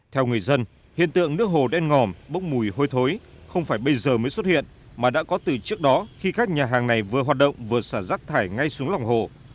theo người dân hiện tượng nước hồ đen ngòm bốc mùi hôi thối không phải bây giờ mới xuất hiện mà đã có từ trước đó khi các nhà hàng này vừa hoạt động vừa xả rác thải ngay xuống lòng hồ